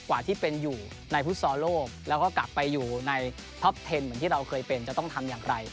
กว่าที่เป็นอยู่ในฟุตซอลโลกแล้วก็กลับไปอยู่ในท็อปเทนเหมือนที่เราเคยเป็นจะต้องทำอย่างไร